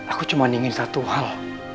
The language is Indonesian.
aku cuma ingin satu hal